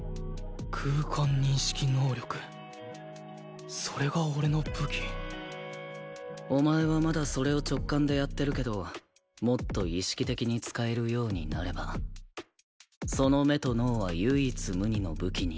空間認識能力それが俺の武器お前はまだそれを直感でやってるけどもっと意識的に使えるようになればその目と脳は唯一無二の武器になる。